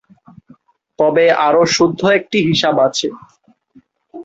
তবে আরও শুদ্ধ একটি হিসাব আছে।